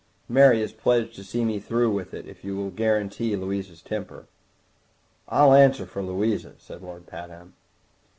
"Mary is pledged to see me through with it, if you will guarantee Louisa's temper." "I'll answer for Louisa," said Lord Pabham.